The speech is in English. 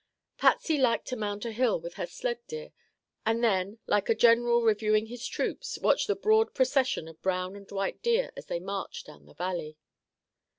Patsy liked to mount a hill with her sled deer and then, like a general reviewing his troops, watch the broad procession of brown and white deer as they marched down the valley.